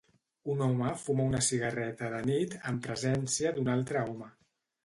Un home fuma una cigarreta de nit en presència d'un altre home